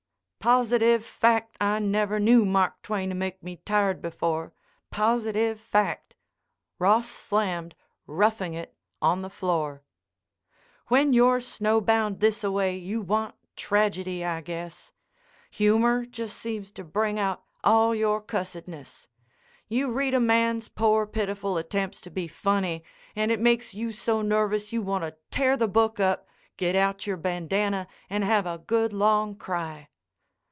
"Positive fact I never knew Mark Twain to make me tired before. Positive fact." Ross slammed "Roughing It" on the floor. "When you're snowbound this away you want tragedy, I guess. Humor just seems to bring out all your cussedness. You read a man's poor, pitiful attempts to be funny and it makes you so nervous you want to tear the book up, get out your bandana, and have a good, long cry."